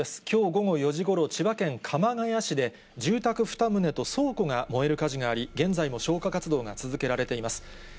きょう午後４時ごろ、千葉県鎌ケ谷市で、住宅２棟と倉庫が燃える火事があり、現在も消火活動が続けられています。